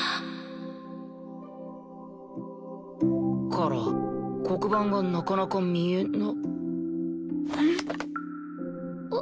から黒板がなかなか見えな。